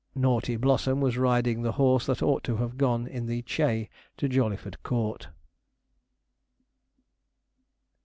Naughty Blossom was riding the horse that ought to have gone in the 'chay' to Jawleyford Court.